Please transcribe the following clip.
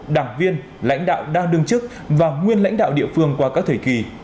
đảng viên lãnh đạo đang đương chức và nguyên lãnh đạo địa phương qua các thời kỳ